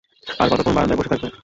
আর কতক্ষণ বারান্দায় বসে থাকবে?